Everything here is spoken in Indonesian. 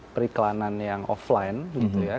periklanan yang offline gitu ya